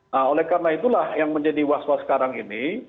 nah oleh karena itulah yang menjadi was was sekarang ini